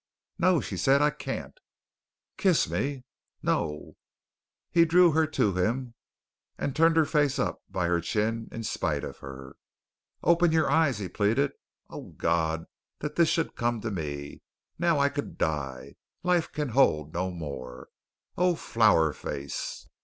"No," she said, "I can't." "Kiss me!" "No!" He drew her to him and turned her face up by her chin in spite of her. "Open your eyes," he pleaded. "Oh, God! That this should come to me! Now I could die. Life can hold no more. Oh, Flower Face!